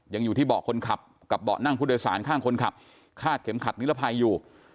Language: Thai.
ยังอยู่ที่เบาะคนขับกับเบาะนั่งผู้โดยสารข้างคนขับคาดเข็มขัดนิรภัยอยู่